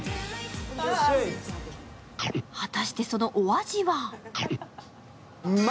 果たして、そのお味は？